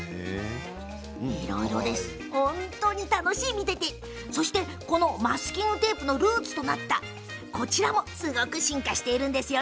見ていて楽しいこのマスキングテープのルーツとなった、こちらもすごく進化しているんです。